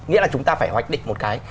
nghĩa là chúng ta phải hoạch định một cái